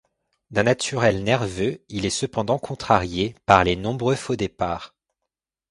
D'un naturel nerveux, il est cependant contrarié par les nombreux faux départs.